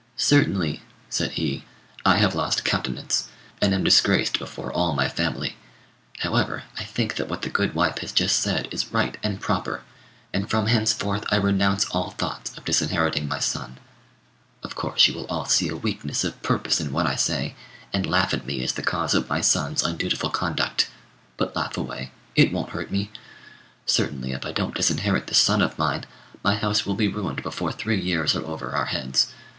"Certainly," said he, "I have lost countenance, and am disgraced before all my family; however, I think that what the good wife has just said is right and proper, and from henceforth I renounce all thoughts of disinheriting my son. Of course you will all see a weakness of purpose in what I say, and laugh at me as the cause of my son's undutiful conduct. But laugh away: it won't hurt me. Certainly, if I don't disinherit this son of mine, my house will be ruined before three years are over our heads.